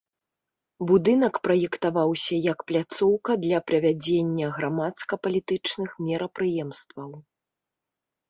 Будынак праектаваўся як пляцоўка для правядзення грамадска-палітычных мерапрыемстваў.